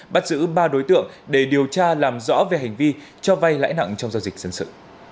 bắt giữ ba đối tượng để điều tra làm rõ về hành vi cho vay lãi nặng trong giao dịch dân sự